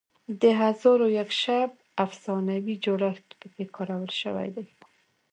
د هزار و یک شب افسانوي جوړښت پکې کارول شوی دی.